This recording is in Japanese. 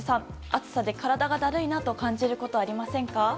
暑さで体がだるいと感じることがありませんか？